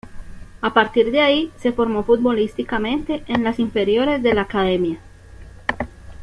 A partir de ahí se formó futbolísticamente en las inferiores de La Academia.